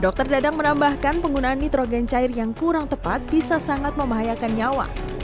dokter dadang menambahkan penggunaan nitrogen cair yang kurang tepat bisa sangat membahayakan nyawa